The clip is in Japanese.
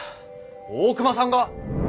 大隈さんが？